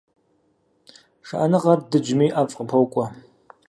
Шыӏэныгъэр дыджми, ӏэфӏ къыпокӏуэ.